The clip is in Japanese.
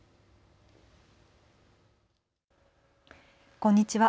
こんにちは。